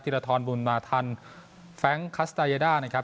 ตีรทรบุรณมาธรรมแฟงก์คัสตาเยด้านะครับ